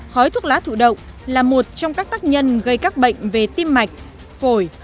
khói thuốc lá thụ động là một trong các tác nhân gây các bệnh về tim mạch phổi